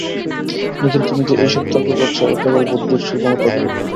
নিখিল, তুমি যে এই-সব তর্ক করছ এ কেবল বুদ্ধির শুকনো তর্ক।